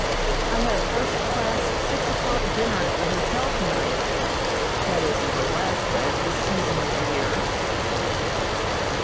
I had a first class six o'clock dinner at the hotel tonight, that is, for Alaska, at this season of the year.